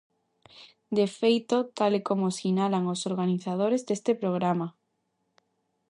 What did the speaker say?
De feito, tal e como sinalan os organizadores deste programa.